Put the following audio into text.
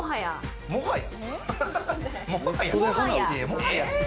もはや。